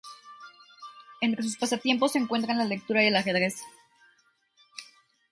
Entre sus pasatiempos se encuentran la lectura y el ajedrez.